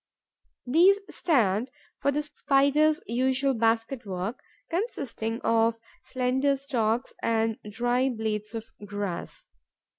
These stand for the Spider's usual basket work, consisting of slender stalks and dry blades of grass.